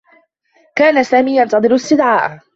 كان سامي ينتظر استدعاءه.